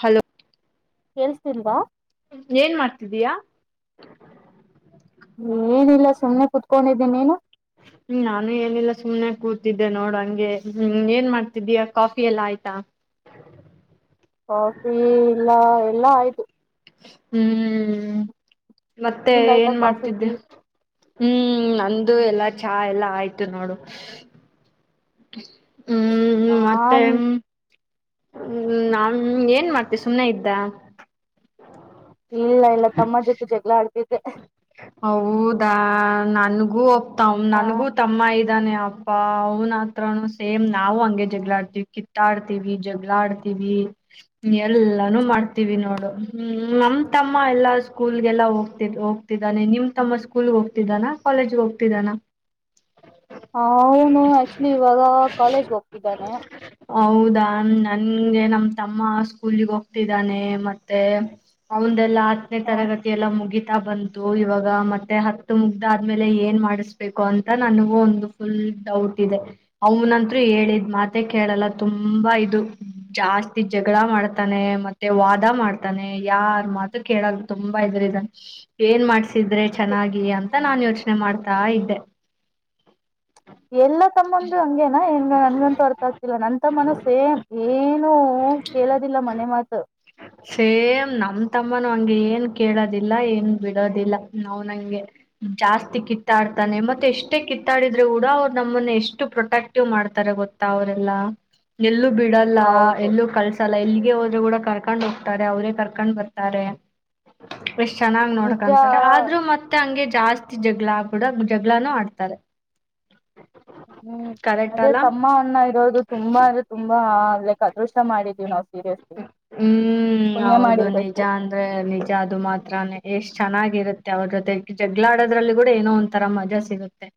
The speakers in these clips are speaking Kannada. ಹಲೋ ಕೇಳ್ಸ್ತೀಲ್ವಾ ಏನ್ ಮಾಡ್ತಿದ್ದೀಯಾ ಏನಿಲ್ಲ ಸುಮ್ಮ್ನೆ ಕುೂತ್ಕೊಂಡಿದ್ದೀ ನೀನು [unintelligible] ಹ್ಮ್ ನಾನು ಏನಿಲ್ಲ ಸುಮನೆ ಕೂತಿದ್ದೆ ನೋಡ ಹಂಗೆ ಹ್ಮ್ ಏನ್ ಮಾಡ್ತಿದ್ದೀಯಾ ಕಾಫಿ ಎಲ್ಲ ಆಯ್ತಾ [unintelligible] ಕಾಫಿ ಇಲ್ಲ ಎಲ್ಲಾ ಆಯ್ತು ಹ್ಮ್ ಮತ್ತೆ ನಿಂದ ಆಯ್ತಾ ಏನ್ ಕಾಫಿ ಮಾಡ್ತಿದ್ದೆ ಟೀ ಹ್ಮ್ ಇದು ಎಲ್ಲಾ ಚಾ ಎಲ್ಲ ಆಯ್ತು ನೋಡು ಹಾ ಹ್ಮ ನಾ ಏನ್ ಮಾಡ್ತ ಸುಮ್ನೆ ಇದ್ದ ಇಲ್ಲ ಇಲ್ಲ ತಮ್ಮ ಜೊತೆ ಜಗಳ ಆಡ್ತ ಹೌದಾ ನನ್ಗೂ ಒತ ಹ ನನಗೂ ತಮ್ಮ ಇದ ಇದ್ದಾನೆ ಅಪ್ಪಾ ಅವನ ಹತ್ರನು ಸೇಮ್ ನಾವು ಹಂಗೆ ಜಗಳಾ ಆಡ್ತೀವಿ ಕಿತ್ತಾಡ್ತಿೀವಿ ಜಗಳಾ ಆಡ್ತಿವಿ ಎಲ್ಲಾನು ಮಾಡ್ತೀವಿ ನೋಡು ಹ್ಮ ನಮ್ ತಮ್ಮ ಎಲ್ಲಾ ಸ್ಕೂಲ್ಗೆಲ್ಲಾ ಹೋಗ ಹೋಗ್ತಿದ್ದಾನೆ ನಿಮ್ ತಮ್ಮ ಸ್ಕೂಲ್ಗೆ ಹೋಗ್ತಿದ್ದಾನ ಕಾಲೇಜ್ ಹೋಗ್ತಿದ್ದಾನ ಹ ಅವನು ಆಕ್ಚುಲಿ ಇವಾಗ ಕಾಲೇಜ್ಗೆ ಹೋಗ್ತಿದ್ದಾನೆ ಹೌದಾ ನನ್ಗೆ ನಮ ತಮ್ಮ ಸ್ಕೂಲ್ಿಗೆ ಹೋಗ್ತಿದ್ದಾನೆ ಮತ್ತೆ ಅವ ಎಲ್ಲ ಹತ್ತನೇ ಹ ತರಗತಿ ಎಲ್ಲ ಮುಗ ಬಂತು ಇವಾಗ ಮತ್ತೆ ಹತ್ತು ಮುಗ್ದಾದ ಆದ್ಮೇಲೆ ಏನ್ ಮಾಡಿಸ್ಬೇಕು ಅಂತ ನನಗೂ ಒಂದು ಫುಲ್ ಡೌಟ್ ಇದೆ ಅವನಂತೂ ಹೇಳಿದ್ ಮಾತ ಕೇಳಲ್ಲ ತುಂಬಾ ಇದು ಜಾಸ್ತಿ ಜಗಳ ಮಾಡ್ತಾನೆ ಮತ್ತೆ ವಾದ ಮಾಡ್ತಾನೆ ಯಾರ್ ಮಾತು ಕೇಳಾಗ ತುಂಬಾ ಇದ್ರ ಇದನ್ ಏನ್ ಮಾಡ್ಸಿದ್ರೆ ಚೆನ್ನಾಗಿ ಅಂತ ನಾನ್ ಯೋಚನೆ ಮಾಡ್ತಾ ಇದ್ದೆ ಎಲ್ಲ ತಮ್ಮಂದರು ಹಂಗೆನಾ ಏನ್ ನನ್ಗಂತೂ ಅರ್ಥ ಆಗ್ತಿಲ್ಲ ನನ್ ತಮ್ಮನ ಸೇಮ್ ಏನು ಹ ಕೇಳೋದಿಲ್ಲ ಮನೆ ಮಾತ್ ಸೇಮ್ ನಮ ತಮ್ಮನು ಹಂಗೆ ಏನ್ ಕೇಳದ ಏನ್ ಬಿಡೋದಿಲ್ಲ ನಾ್ ನಂಗೆ ಜಾಸ್ತಿ ಕಿತ್ತಾಡ್ತಾನೆ ಮತ್ತೆ ಎಷ್ಟೇ ಕಿತ್ತಾಡಿಿದ ಕೂಡ ಅವ್ ನಮ್ಮ ಎಷ್ಟು ಪ್ರೊಟಕ್ಟಿವ್ ಮಾಡ್ತಾರೆ ಗೊತ್ತಾ ಅವರೆಲ್ಲ ನಲ್ಲ ಬಿಡಲ್ಲ ಹೌದು ಎಲ್ಲೂ ಕಳ್ಸಲ್ಲ ಎಲ್ಲಿ ಹಗೆ ಹೋದ್ರರು ಕೂಡ ಕರ್ಕೊಂಡ್ ಹೋಗ್ತಾರೆ ಅವ್ರೇ ಕರ್ಕೊಂಡ್ ಬರ್ತಾರೆ ಎಷ್ಟ್ ಚೆನ್ನಾಗ್ ನಿಜ ನೋಡಕಂತಾರೆ ಆದ್ರರು ಮತ್ತೆ ಹಂಗೆ ಜಾಸ್ತಿ ಜಗಳ ಕೂಡ ಜಗಳಾನೂ ಆಡ್ತಾರೆ ಹ್ಮ್ ಕರೆಕ್ಟ್ ಅದೇ ಅಲ್ಲ ತಮ್ಮ ಅಣ್ಣ ಇರೋದು ತುಂಬಾ ಅಂದ್ರೆ ತುಂಬಾ ಲೈಕ್ ಅದೃಷ್ಟ ಮಾಡಿದೀವಿ ನಾವು ಸೀರಿಯಸ್ ಹ್ಮ್ ಹೌದು ನಿಜ ಅಂದ್ರೆ ನಿಜ ಅದು ಮಾತ್ರಾನೇ ಎಷ್ಟ್ ಚೆನ್ನಾಗಿರುತ್ತೆ ಅವ್ರ ಜೊತೆ ಜಗ್ಗಳಾಡೋದ್ರಲ್ಲಿ ಕೂಡ ಏನೋ ಒಂತರ ಮಜಾ ಸಿಗುತ್ತೆರೆ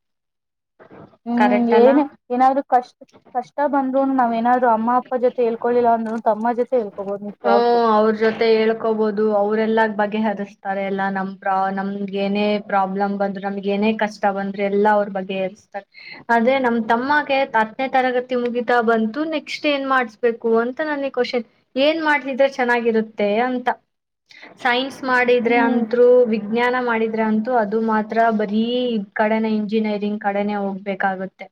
ಹ್ಮ್ ಏನ್ ಏನಾದ್ರು ಕಷ್ಟ್ ಕಷ್ಟ ಬಂದ್ರು ನಾವ್ ಏನಾದ್ರು ಅಮ್ಮ ಅಪ್ಪ ಜೊತೆ ಹೇಳ್ಕೊಿಲ್ಲ ಅಂದ್ರು ತಮ್ಮ ಜೊತೆ ಹೇಳ್ಕೊಬೋದು ನಿಜವಾಗ್ಲು. ಹ್ಮ ಅವ್ರ ಜೊತೆ ಹೇಳ್ಕೋಬೋದು ಅವರೆಲ್ಲ ಬಗ್ಗೆಹರಿಸ್ತಾರೆ ಎಲ್ಲಾ ನಮ್ ಪ್ರ ನಮ್ಗೆ ಏನೇ ಪ್ರಾಬ್ಲಮ್ ಬಂದ್ರು ನಮ್ಗೆ ಏನೇ ಕಷ್ಟ ಬಂದ್ರು ಎಲ್ಲಾ ಅವ್ರ ಬಗ್ಗೆತಾರೆ ಆದ್ರೆ ನಮ್ ತಮ್ಮಗೆ ಹತ್ತನೇ ತರಗತಿ ಮುಗಿತಾ ಬಂತು ನೆಕ್ಸ್ಟ್ ಏನ್ ಮಾಡ ಮಾಡಸ್ಬೇಕು ಅಂತ ನನ್ನೇ ಕ್ವಶನ್ ಏನ್ ಮಾಡ್ತಿದ್ರೆ ಚೆನ್ನಾಗಿರುತ್ತೆ ಅಂತ ಸೈನ್ಸ್ ಮಾಡಿದ್ರೆ ಹ್ಮ್ ಅಂತ್ರು ವಿಜ್ಞಾನ ಮಾಡಿದ್ರೆ ಅಂತೂ ಅದು ಮಾತ್ರ ಬರೀ ಕಡೆನೆ ಇಂಜಿನಿಯರಿಂಗ್ ಕಡೆನೆ ಹೋಗ್ಬೇಕಾಗುತ್ತೆ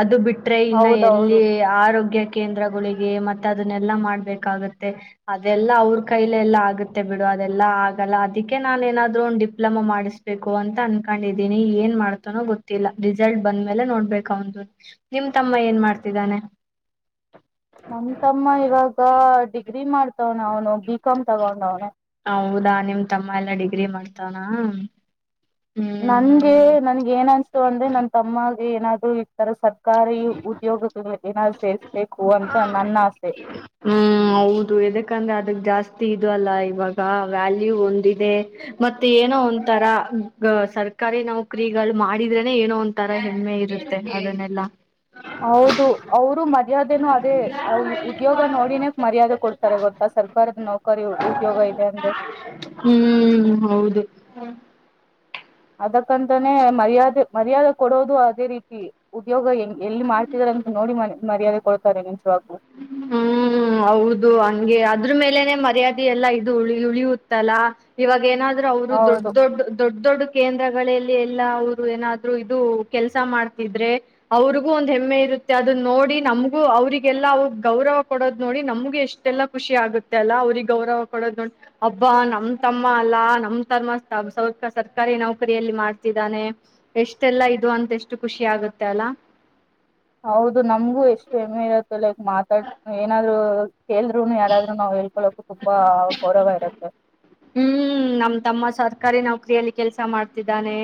ಅದು ಬಿಟ್ರೆ ಇನ್ನ ಹೌದೌದು ಎಲ್ಲಿ ಆರೋಗ್ಯ ಕೇಂದ್ರಗಳಿಗೆ ಮತ್ತೆ ಅದನ್ನೆಲ್ಲಾ ಮಾಡ ಬೇಕಾಗುತ್ತೆ ಅದೆಲ್ಲಾ ಅವ್ರ ಕೈಲೆಲ್ಲ ಆಗುತ್ತೆ ಬಿಡು ಅದೆಲ್ಲಾ ಆಗಲ್ಲ ಅದಕ್ಕೆ ನಾನ ಏನಾದ್ರು ಡಿಪ್ಲೊಮಾ ಮಾಡಿಸ್ಬೇಕು ಅಂತ ಅನ್ಕೊಂಡಿದೀನಿ ಏನ್ ಮಾಡ್ತನೋ ಗೊತ್ತಿಲ್ಲ ರಿಸಲ್ಟ್ ಬಂದ್ಮೇಲೆ ನೋಡ್ಬೇಕು ನಿಮ್ ತಮ್ಮ ಏನ್ ಮಾಡ್ತಿದ್ದಾನೆ ನಮ್ ತಮ್ಮ ಇವಾಗ ಗ ಡಿಗ್ರಿ ಮಾಡ್ತವನ ಅವನು ಬಿ ಕಾಮ್ ತಗೊಂಡ ಅವನ ಹೌದಾ ನಿಮ್ ತಮ್ಮ ಎಲ್ಲಾ ಡಿಗ್ರಿ ಮಾಡ್ತಾನ ನನ್ಗೆ ಹ್ಮ್ ನನ್ಗ ಏನ್ ಅನ್ಸತು ಅಂದ್ರೆ ನನ್ ತಮ್ಮಗೆ ಏನಾದ್ರು ಇರ್ತಾರ ಸರ್ ಸರ್ಕಾರಾರಿ ಉದ್ಯೋಗ ಎಸ ಹ್ಮ್ ಹೌದು ಯದಕಂದ್ರೆ ಅದಕ್ ಜಾಸ್ತಿ ಇ ಅಲ್ಲ ಇವಾಗ ವ್ಯಾಲ್ಯೂ ಒಂದಿದೆ ಮತ್ತೆ ಏನೋ ಒಂತರ ಸರ್ ತರ್ಕಾರಿ ನೌಕ್ರಗಳು ಮಾಡಿದ್ರೆನೆ ಏನೋ ಒಂ ತರ ಹೆಮ್ಮೆ ಇರುತ್ತೆ ಅದನ್ನೆಲ್ಲ ಹೌದು ಅವರು ಮರ್ಯೆ ಅದೇನು ಅದೇ ಉದ್ಯೋಗ ನೋಡಿನೇ ಮರ್ಯಾದೆ ಕೊಡ್ತಾರೆ ಗೊತ್ತಾ ಸರ್ಕಾರದ ನೌಕರಿ ಉದ್ಯೋಗ ಇ ಎಂದು ಹ್ಮ್ ಹೌದು ಅದಕ್ಕಂತಾನೇ ಮರ್ಯಾದೆ ಮರ್ಯಾದೆ ಕೊಡೋದು ಅದೇ ರೀತಿ ಉದ್ಯೋಗ ಎಂ ಎಲ್ಲಿ ಮಾಡ್ತಿದಾರ ಅಂತ ನೋಡಿ ಮರ್ಯಾದೆ ಕೊಡ್ತಾರೆ ನಿ ಹ್ಮ್ ಹೌದು ಹಂಗೆ ಅ ಅದ್ರ ಮೇಲೆನೆ ಮರ್ಯಾದೆ ಎಲ್ಲಾ ಇದು ಉಳಿಯುತ್ತಲ್ಲಾ ಇವಾಗ ಏನಾದ ಅವರು ದೊಡ್ಡ ಹೌದು ದೊಡ್ಡ ದೊಡ್ಡ ದೊಡ್ಡ ಕೇಂದ್ರಗಳಲ್ಲಿ ಎಲ್ಲ ಅವರು ಏನಾದ್ರು ಇದು ಕೆಲಸ ಮಾಡ್ತಿದ್ರೆ ಅವ್ರಿಗೂ ಒಂದ್ ಹೆಮ್ಮೆ ಇರುತ್ತೆ ಅದನ್ನ ನೋಡಿ ನಮಗೂ ಅವ್ರಿಗೆ ಎಲ್ಲ ಅವ ಗೌರವ ಕೊಡೋ ನೋಡಿ ನಮ್ಗೆ ಎಷ್ಟೆಲ್ಲ ಖುಷಿ ಆಗುತ್ತೆ ಅಲ್ಲ ಅವ್ರಿಗೆ ಗೌರವ ಕೊಡೋದ್ ನೋಡಿ ಹಬ್ಬ ನಮ್ ತಮ್ಮ ಅಲ್ಲಾ ನಮ್ ತರ್ಮ ಸ ಸರ್ಕಾರಿ ನೌಕರಿಯಲ್ಲಿ ಮಾಡ್ತಿದ್ದಾನೆ ಎಷ್ಟೆಲ್ಲಾ ಇದು ಅಂತ ಎಷ್ಟು ಖುಷಿ ಆಗುತ್ತೆ ಅಲ್ಲ ಹೌದು ನಮ್ಗೂ ಎಷ್ಟು ಹೆಮ್ಮೆ ಇರುತ್ತೆ ಲೈಕ್ ಮಾತಾಡ್ ಏನಾದ್ರು ಕೇಳ್ರುನು ಯಾರಾದ್ರರು ನಾವ್ ಹೇಳ್ಕೊಳಕು ತುಂಬಾ ಗೌರವ ಇರುತ್ತೆ ಹ್ಮ್ ನಮ್ ತಮ್ಮ ಸರ್ಕಾರಿ ನೌಕರಿಯಲ್ಲಿ ಕೆಲ್ಸ ಮಾಡ್ತಿದ್ದಾನೆ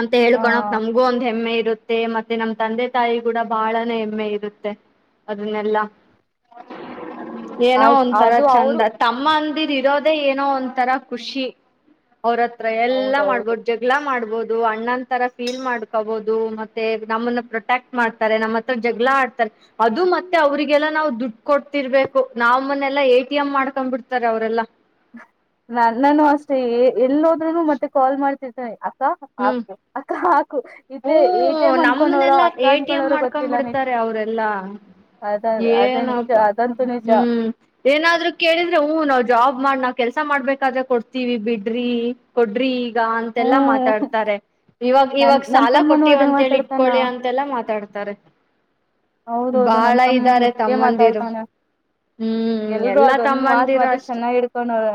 ಅಂತ ಹಕಳಕ್ ಹ್ಮ್ ನಮ್ಗೂ ಒಂದ್ ಹೆಮ್ಮೆ ಇರುತ್ತ ಮತ್ತೆ ನಮ್ ತಂದೆ ತಾಯಿ ಕೂಡ ಬಹಳಾನ ಹೆಮ್ಮೆ ಇರುತ್ತೆ ಅದನ್ನೆಲ್ಲಾ ಏನೋ ಆಯ್ತ್ ಒಂಂತರ ಅದು ಅವರು ಚಂದ ತಮ್ಮ ಅಂದಿ ಇರೋದೇ ಏನೋ ಒಂತರ ಖುಷಿ ಅವ್ರತ್ರ ಎಲ್ಲಾ ಹೌದೌದು ಮಾಡ್ಬೋದು ಜಗಳ ಮಾಡ್ಬೋದು ಅಣ್ಣನ್ ತರ ಫೀಲ್ ಮಾಡ್ಕೋಬಹುದು ಮತ್ತೆ ನಮ್ಮನ್ನ ಪ್ರೊಟೆಕ್ಟ್ ಮಾಡ್ತಾರೆ ನಮ್ಮ್ ಹತ್ರ ಜಗಳ ಆಡ್ತಾರೆ ಅದು ಮತ್ತೆ ಅವ್ರಿಗೆಲ್ಲ ನಾವು ದುಡ್ ಕೊಡ್ತಿರ್ಬೇಕು ನಾವನ್ನೆಲ್ಲಾ ಏ ಮಾಡ್ಕೊಂಡ್ ಬಿಡ್ತಾರೆ ಅವರೆಲ್ಲಾ ನನ್ನಾನು ಅಷ್ಟೇ ಎಲ್ಲಿದ್ನು ಮತ್ತೆ ಕಾಲ್ ಮಾಡ್ತಿರ್ತೇನೆ ಅ ಹ್ಮ್ ಹಾಕು ಅಕ್ಕ ಹಾಕು ಇತ್ತ ಹೂ ಎ ಟಿ ಎಂ ಅನ್ಕೊಂಡೋರ ನಮ್ಮನೆಲ್ಲಾ ಅಕ್ಕ ಎ ಟಿ ಎಂ ಅನ್ಕೊಂಡೋರು ಗೊತ್ತಿಲ್ಲ ನೀ ಏನಪ್ಪ ಹ್ಮ್ ಏನಾದ್ರು ಕೇಳಿದ್ರೆ ಹೂ ನಾವ್ ಜಾ ಮಾಡ ನಾವ್ ಕೆಲ್ಸ ಮಾಡ್ಬೇಕಾದ್ರೆ ಕೊಡ್ತೀವಿ ಬಿಡ್ರಿ ಕೊಡ್ರಿ ಅಂತೆಲ್ಲಾ ಹ್ಮ್ ಮಾತಾಡ್ತಾರೆ ಇವಾಗ ನನ್ ಇವಾಗ ನನ್ ಎಲ್ಲ ತಮ್ಮನು ಕೊಟ್ಟಿವವ ಅದೇ ಅಂತೇಳಿ ಮಾತಾಡ್ತಾನ ಇಟ್ಕೊಳ್ಳಿ ಅಂತೆಲ್ಲಾ ಮಾತಾಡ್ತಾರೆ ಹೌದೌದು ಬಾಳ ನನ್ ತಮ್ಮನು ಇದ್ದಾರೆ ಇದೇ ತಮ್ಮಂದಿರು ಮಾತಾಡ್ತಾನ ಹ್ಮ್ ಎಲ್ರೂ ಎಲ್ಲಾ ಅದೊಂದ್ ಮಾತ್ ತಮ್ಮಂದಿರು ಮಾತ್ರ ಅಷ್ಟೇ ಚೆನ್ನಾಗಿ ಹಿಡ್ಕೊಂಡವ್ರ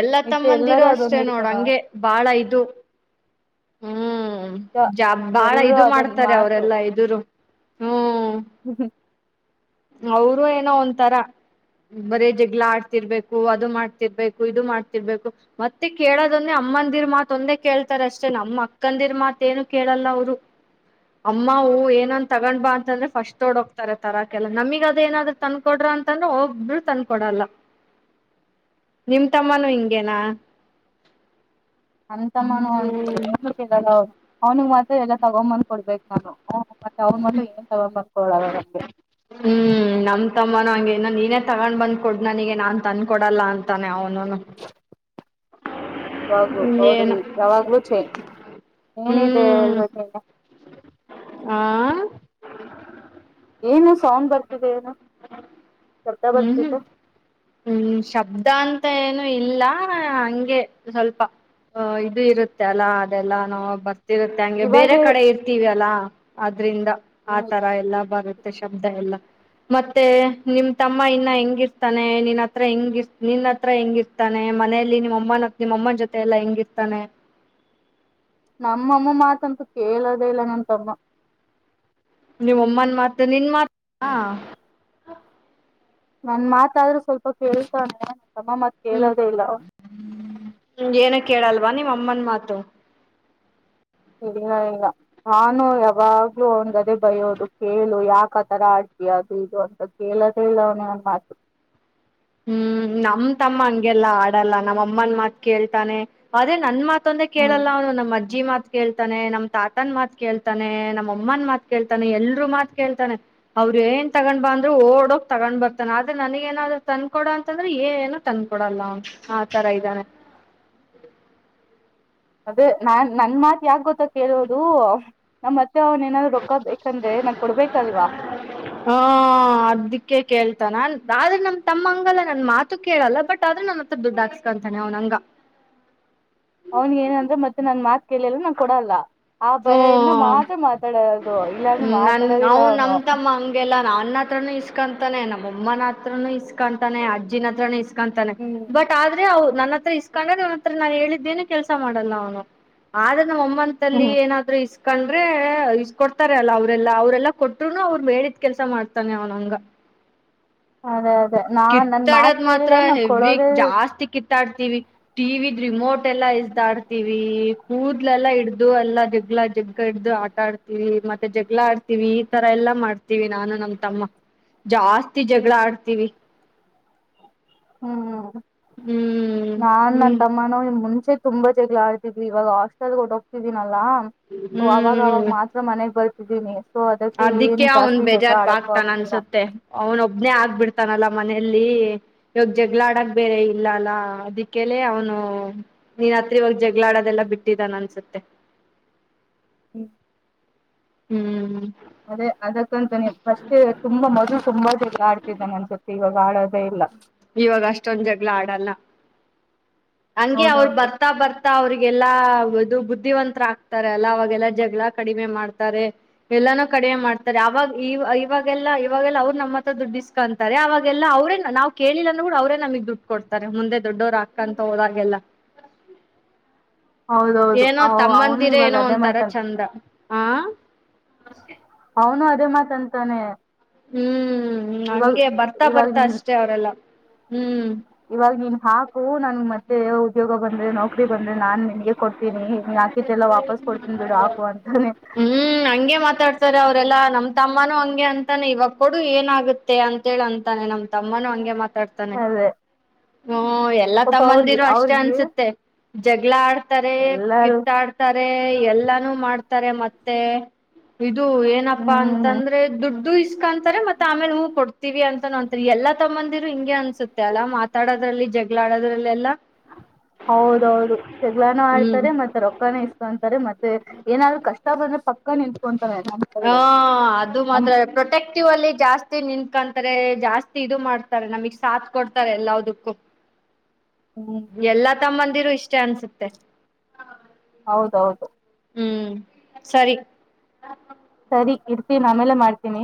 ಎಲ್ಲಾ ನಿಜ ತಮ್ಮಂದಿರ ಎಲ್ಲರೂ ಅದೊಂದ್ ಅಷ್ಟೇ ನೋಡಂಗೆ ಹಿಡ್ಕೊಂಡವ್ರ ಬಾಳ ಇದು ಹ್ಮ್ ಜಾ ಬಾಳ ಎಲ್ರೂ ಇದು ಅದೊಂದ್ ಮಾಡ್ತಾರೆ ಅವರೆಲ್ಲಾ ಇದರು ಹ್ಮ್ ಹ್ಮ್ ಹ್ಮ್ ಅವರು ಏನೋ ಒಂತರ ಬರೇ ಜಗ್ಗಳ ಆಡ್ತಿರ್ಬೇಕು ಅದು ಮಾಡ್ತಿರ್ಬೇಕು ಇದು ಮಾಡ್ತಿರ್ಬೇಕು ಮತ್ತೆ ಕೇಳೋದಂದೆ ಅ ನಮ್ಮಂದಿರ್ ಮಾತ್ ಒಂದೆ ಕೇಳ್ತಾರೆ ಅಷ್ಟೇ ನಮ್ಮ ಅಕ್ಕಂದಿರ್ ಮಾತ್ ಏನು ಕೇಳಲ್ಲ ಅವರು ಅಮ್ಮೂ ಏನನ್ ತಗ್ ಬಾ ಅಂತಂದ್ರೆ ಫಸ್ಟ್ ಓಡ ಹೋಗ್ತಾರೆ ತರಾಕಲ್ಲಾ ನಮಿಗ್ ಅದ ಏನಾದ್ರರು ತಂದಕೋಡ್ರ ಅಂತಾನೂ ಒಬ್ರು ತಂದಕೊಡಲ್ಲ ನಿಮ ತಮ್ಮನೂ ಹಿಂಗೇನಾ ಅಂತ ಮಾನು ಅವ್ನಗ್ ಮಾತ್ರ ಎಲ್ಲ ತಗೊಂಡ್ಂಬಂದ್ ಕೊಡ್ಬೇಕಕ್ ನಾನು ಮತ್ತೆ ಅವ್ರು ಮತ್ರ ಏನ್ ತಗ ಮಾಡ್ಕೊಳವಾಗಂಗಗೆ ಹ್ಮ್ ನಮ್ ತಮ್ಮನ ಹಂಗೇನ ನೀನೇ ತಗೊಂಡ್ ಬಂದ್ ಕೊಡ್ ನನಿಗೆ ನಾನ್ ತಂದಕೊಡಲ್ಲ ಅಂತಾನೆ ಅವ್ನುನು ಹ ಯಾಗ್ಲೂ ಅವರು ಯಾವಾಗ್ಲೂ ಚ ಏನಿದೆ ಆಾ ಏನು ಸೌಂಡ್ ಬರ್ ಹ್ಮ್ ಹ್ಮ್ ಬರ್ತಿದೆ ಹ್ಮ್ ಶಬ್ದಾನ್ ಮ ಏನು ಇಲ್ಲ ಹಂಗೆ ಸ್ವಲ್ಪ ಹ ಇದು ಇರುತ್ತೆ ಅಲ್ಲಾ ಅದೆಲ್ಲಾ ನಾವ ಬರ್ತ ಇರುತ್ತೆ ಹಂಗೆ ಬೇರೆ ಇವಾಗೆ ಕಡೆ ಇರ್ತೀವಿ ಅಲ್ಲಾ ಅದ್ರಿಂದ ಆ ಹ್ಮ್ ತರ ಎಲ್ಲಾ ಬರುತ್ತೆ ಮತ್ತ ಶಬ್ದ ಎಲ್ಲ ಮತ್ತೆ ನಿಮ್ ತಮ್ಮ ಇನ್ನ ಹೆಂಗಿರ್ತಾನೆ ನಿನ್ ಹತ್ರ ಹೆಂಗರ್ ನಿನ್ ಹತ್ರ ಹೆಂಗಿರ್ತಾನೆ ಮ ಮನೆಯಲ್ಲಿ ನಿಮ್ಮ ಅಮ್ಮನ ನಿಮ್ಮಮ್ಮನ ಜೊತೆ ಎಲ್ಲಾ ಹೆಂಗಿರ್ತಾನೆ ನಮ್ಮಮ್ಮ ಮಾತಂತೂ ಕೇಳೋದೇ ಇಲ್ಲ ನಂತಮ್ಮ ನೀವ ಅಮ್ಮನ್ ಮಾತ್ ನಿನ್ ಮಾತ್ ನನ್ ಮಾತಾದ್ರೂ ಸ್ವಲ್ಪ ಕೇಳ್ತಾನೆ ಅಮ್ಮ ಮತ್ ಕೇಳದೇ ಹ್ಮ್ ಇಲ್ಲ ನೀ ಮಮ್ಮನ್ ಮಾತ ಇಲ್ಲ ಈಗ ನಾನು ಯಾವಾಗ್ಲೂ ಅವನ್ಗದೆ ಬಯೋದು ಕೇಳು ಯಾಕ ಆತರ ಆಡ್ತೀಯ ಅದು ಇದು ಅಂತ ಕೇಳದೇ ಇಲ್ಲ ಅವನೇ ಒಂದ್ ಮಾತು ಹ ಹ್ಮ್ ನಮ್ ತಮ್ಮ ಹಂಗೆಲ್ಲಾ ಆಡಲ್ಲ ನಮ್ಮ ಅಮ್ಮನ್ ಮಾತ್ ಕೇಳ್ತಾನೆ ಅದೇ ನನ್ ಮಾತ್ ಮತ್ತೊಂದೆ ಹ್ಮ್ ಕೇಳಲ್ಲ ಅವನು ನಮ್ಮಜ್ಜಿ ಮಾತ್ರ ಕೇಳ್ತಾನೆ ನಮ್ ತಾತನ್ ಮಾತ್ ಕೇಳ್ತಾನೆ ನಮ್ ಅಮ್ಮನ್ ಮಾತ್ ಕೇಳ್ತಾನೆ ಎಲ್ರುೂ ಮಾತ್ ಕೇಳ್ತಾನೆ ಅವ ಅವರು ಏನ್ ತಗ್ ಬಂದ್ರರು ಓಡೋಗ ತಗ್ ಬರ್ತಾನ ಆದ್ರೆ ನನಗ ಏನಾದ್ ತಂದಕೊಡ ಅಂತಂದ್ರೆ ಏ ಏನು ತಂದಕೊಡಲ್ಲ ಆ ತರ ಇದ್ದಾನೆ ಹ ಅದೇ ನಾನ್ ನನ್ ಮಾತ್ ಯಾಕ ಗೊತ್ತ ಕೇಳೋದು ನಮ್ಮ್ ಮತ್ತೆ ಅವನ್ ಏನಾದ್ರು ರೊಕ್ಕ ಬೇಕಂದ್ರೆ ಕೊಡ್ಬೇಕಲ್ವಾ ಹ ಹ ಅದಕ್ಕೆ ಕೇಳ್ತಾನಾನ್ ಆದ್ರೆ ನಮ ತಮ್ಮ ಹಂಗಲ್ಲ ನನ್ ಮಾತು ಕೇಳಲ್ಲ ಬಟ್ ಆದ್ರೆ ಮತ್ತ ದುಡ್ ಹಾಕ್ಸ್ಕೊಂತಾನೆ ಅವನಂಗ ಅವ್ನ್ಗ ಏನ ಅಂದ್ರೆ ಮತ್ತೆ ನಾನ್ ಮಾತ್ ಕೇಳಿಲ್ಲ ನಾನ್ ಕೊಡ ಅಲ್ಲ ಆ ಭಯ ಇಿಂದ ಹ್ಮ ಮಾತ್ರ ಮಾತಾಡೋದು ಇಲ್ಲಾಂದ್ರೆ ನನ್ ಮಾತಾಡೋದಿಲ್ಲ ಅವನು ಇಸ್ಕೊಂತಾನೆನ ಅಮ್ಮನ ಹತ್ರನು ಇಸ್ಕೊಂತಾನೆ ಅಜ್ಜಿನ ಹತ್ರನು ಇಸ್ಕೊಂತಾನೆ ಹ್ಮ್ ಬಟ್ ಆದ್ರೆ ಅವರು ನನ್ನ ಹತ್ರ ಇಸ್ಕೊಂಡ್ರೆ ಅವನ ಹತ್ರ ನಾನು ಹೇಳಿದ್ದೇನು ಕೆಲ್ಸ ಮಾಡಲ್ಲ ಅವ್ನು ಆದ್ರೆ ನಮ್ಮಮ್ಮಂತ ಹ್ಮ್ ಏನಾದ್ೂ ಕಂಡ್ರೆ ಇ ಕೊಡ್ತಾರೆ ಅಲ್ಲ ಅವ್ರೆಲ್ಲ ಅವ್ರೆಲ್ಲಾ ಕೊಟ್ರುನು ಅವ್ರ ಬಿದ್ ಕೆಲ್ಸ ಮಾಡ್ತಾನೆ ಅವ್ನಂಗ ಅದೇ ಅದೇ ನಾನ್ ನನ್ ಮಾತ್ ಕಿತ್ತಡದ ಮಾತ್ರ ಕೇಳಿಲ್ಲ ನಾನ್ ಹೆವಿ ಕೊಡೋದೇ ಜಾಸ್ತಿ ಕಿ ಇಾಡ್ತವಿ ಟಿವಿದ ರಿಮೋಟ್ ಎಲ್ಲ ಇ್ದಾಡ್ತೀವಿ ಕೂದಲೆಲ್ಲಾ ಇಡ್ದ ದು ಎಲ್ಲಾ ಜಗ್ಗಳ ಜಗ್ ಇಡ್ದು ಆಟ ಆಡ್ತಿೀವಿ ಮತ್ತೆ ಜಗ್ಗಳ ಆಡ್ತಿೀವಿ ಈ ತರ ಎಲ್ಲಾ ಮಾಡ್ತೀವಿ ನಾನು ನಮ ತಮ್ಮ ಜಾಸ್ತಿ ಜಗಳ ಆಡ್ತೀವಿ ಹ್ಮ್ ಹ್ಮ್ ನಾನ್ ನ ಹ್ಮ್ ತಮ್ಮನ ಮುಂಚೆ ತುಂಬಾ ಚಗಳ ಆಡ್ತಿದವಿ ಇವಾಗ ಹಾಸ್ಟೆಲ್ ಹೋಗತಿದವಿ ನಾವು ಅವಾಗ ಅವಾಗ ಮಾತ್ರ ಮನೆಗ್ ಬರ್ತಿದ್ದೀನಿ ಸೊ ಅದಕ್ಕೆ ಏನು ಅದಿಕ್ಕೆ ಅವನ್ ಜಾಸ್ತಿ ಜಗಳ ಬೇಜಾರ್ ಆಡಕ್ಕೂ ಬಗ್ತಾನ ಆಗ್ತಿಲ್ಲ ಅನ್ಸುತ್ತೆ ಅವನ್ ಒಬ್ನೇ ಆಗ್ಬಿಡ್ತಾನಲ್ಲ ಮನೆಯಲ್ಲಿ ಇವಾಗ ಜಗಳಾಡಕ್ ಬೇರೆ ಇಲ್ಲ ಅಲ್ಲ ಅದಕ್ಕೆಲ್ಲ ಅವನು ರಾತ್ರಿವಾಗ ಜಗಳಾಡೋದೆಲ್ಲ ಬಿಟ್ಟಿದ್ದಾನ ಅನ್ಸುತ್ತೆ ಹ್ಮ ಹ್ಮ್ ಅದೇ ಅದಕ್ಕಂತ ನೀ ಫಸ್ಟ್ ತುಂಬಾ ಮದು ತುಂಬಾ ಎಲ್ಲ ಆಡ್ತಿದ್ದಾನ ಒನ್ಸತಿ ಇವಾಗ ಆಳೋದೇ ಇಲ್ಲ ಇವಾಗ ಅಷ್ಟೊಂದ ಜಗ್ಗಳ ಆಡಲ್ಲ ಹಂಗೆ ಅವರು ಹೌದೌದು ಬರ್ತಾ ಬರ್ತಾ ಅವ್ರಿಗೆ ಲ್ಲಾ ಇದು ಬುದ್ಧಿವಂತರ ಆಗ್ತಾರೆ ಅಲ್ಲ ಅವಾಗೆಲ್ಲಾ ಜಗಳ ಕಡಿಮೆ ಮಾಡ್ತಾರೆ ಎಲ್ಲಾನೂ ಕ ಕ ಮಾಡ್ತಾರೆ ಅವಾಗವ ಇವಾಗೆಲ್ಲ ಇವಾಗೆಲ್ಲ ಅವ್ರ ನಮ್ಮ ಹತ್ರ ದುಡ್ಡಿಸ್ಕ ಅಂತಾರೆ ಅವೆಲ್ಲಾ ಅವ್ರೇ ನಾವು ಕೇಳಿಲ್ಲ ಅಂದೂ ಕೂಡ ಅವ್ರೇ ನಮಗ್ ದುಡ್ಡು ಕೊಡ್ತಾರೆ ಮುಂದೆ ದೊಡ್ಡವರು ಅಕ್ಕ ಅಂತ ಹೋದಾಗೆಲ್ಲ ಹೌದೌದು ಏನೋ ಅವನು ತಮ್ಮಂದಿರ ಇವಾಗ ಏನೋ ಅದೇ ಒಂತರ ಮಾತಂತ ಚಂದ ಆ ಅವನು ಅದೇ ಮಾತ ಅಂತಾನೆ ಹ್ಮ್ ಹಂಗೆ ಬರ್ತಾ ಇವಾಗ ಬರ್ತಾ ನೀನ್ ಅಷ್ಟೇ ಅವರೆಲ್ಲ ಹ್ಮ್ ಹ ನನ್ ಮತ್ತೆ ಉದ್ಯೋಗ ಬಂದ್ರೆ ನೌಕರಿ ಬಂದ್ರೆ ನಾನ್ ನನ್ಗೆ ಕೊತೀನಿ ನೀ ಹಾಕಿದ್ದೆಲ್ಲ ವಾಪಸ್ ಕೊಡ್ತೀನಿ ಬಿಡು ಹಾಕು ಅಂತಾನೆ ಹ್ಮ್ ಹಂಗೆ ಮಾತಾಡ್ತಾರೆ ಅವರೆಲ್ಲಾಮ್ಮ ತಮ್ಮನೂ ಹಂಗೆ ಅಂತಾನೆ ಇವಾಗ ಕೊಡು ಏನ ಆಗುತ್ತೆ ಅಂತೇಳಿ ಅಂತಾನೆ ನಮ್ ತಮ್ಮನು ಹಂಗೆ ಮತ್ತ ಮಾತಾಡ್ತಾನೆ ಅದೇ ಹ್ಮ್ ಎಲ್ಲಾ ಪಾಪ ಅವ್ರಿಗೆ ತಮ್ಮಂದಿರು ಅಷ್ಟೇ ಅವ್ರಿಗೆ ಅನ್ಸುತ್ತೆ ಜಗಳ ಆಡ್ತಾರೆ ಎಲ್ಲಾರು ಕಿತ್ತ ಆಡ್ತಾರೆ ಎಲ್ಲಾನು ಮಾಡ್ತಾರೆ ಮತ್ತೆ ಇದು ಏನಪ್ಪಾ ಹ್ಮ್ ಅಂತಂದ್ರೆ ದುಡ್ಡು ಕಂತತಾರೆ ಮತ್ತ ಆಮೇಲೆ ಹೂ ಕೊಡ್ತೀವಿ ಅಂತ ಅಂತಾರೆ ಎಲ್ಲ ತಮ್ಮಂದಿರು ಹಿಂಗೆ ಅನ್ಸುತ್ತೆ ಮಾತಾಡೋದ್ರಲ್ಲಿ ಜಗಳಾಡದ್ರಲ್ಲ ಎಲ್ಲಾ ಹೌದೌದು ಶಗ್ಗಳಾನ ಆಡ್ತಾರೆ ಮತ್ತೆ ರೊಕ್ಕಾನ ಇಸ್ಕೊಂತಾರೆ ಮತ್ತೆ ಏನಾದ್ರು ಕಷ್ಟ ಬಂದ್ರೆ ಪಕ್ಕ ನಿ ಹಾ ಅದು ನಮ್ ಮಾತ್ರ ಪ್ರೊಟೆಕ್ಟಿವ್ ಅಲ್ಲಿ ಜಾಸ್ತಿ ನಿನ್ಕ ರೆ ಜಾಸ್ತಿ ಇದು ಮಾಡ್ತಾರೆ ನಮಗ್ ಸಾತ್ ಕೊಡ್ತಾರೆ ಎಲ್ಲದಕ್ಕೂ ಹ್ಮ್ ಎಲ್ಲಾ ತಮ್ಮಂದಿರು ಇಷ್ಟೇ ಅನ್ಸುತ್ತೆ ಹೌದೌದು ಹ್ಮ್ ಸರಿ ಸರಿ ಇರ್ತಿ ನಮೆಲ್ಲ ಮಾಡ್ತೀನಿ